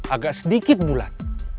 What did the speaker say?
agak sedikit bulat